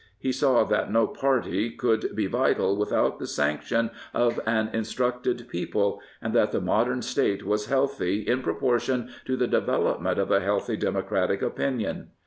He saw that no party could be vital without the sanction of an instructed people, and that the modern State was healthy in proportion to the development of a healthy democratic opinion.